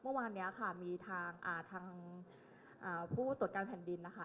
เมื่อวานนี้ก็ค่ะมีทางอ่าทางอ่าผู้ตรวจกรรมแผ่นดินนะค่ะ